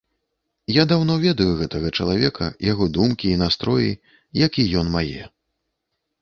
Я даўно ведаю гэтага чалавека, яго думкі і настроі, як і ён мае.